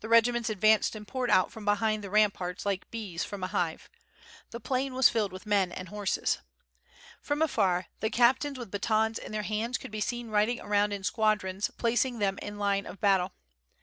regiments advanced and poured out from behind the ram* parts like bees from a hive. The plain was filled with men and horses. From afar the captains with batons in their hands could be seen riding around in squadrons placing them in line of battle.